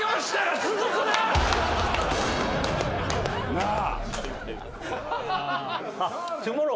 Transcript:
なあ。